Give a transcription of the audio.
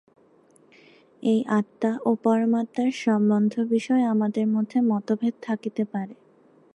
এই আত্মা ও পরমাত্মার সম্বন্ধবিষয়ে আমাদের মধ্যে মতভেদ থাকিতে পারে।